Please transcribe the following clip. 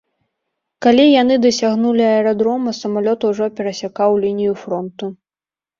Калі яны дасягнулі аэрадрома, самалёт ужо перасякаў лінію фронту.